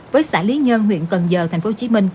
với xã lý nhân huyện cần giờ tp hcm